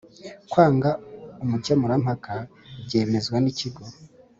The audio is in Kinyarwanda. Kwanga umukemurampaka byemezwa n Ikigo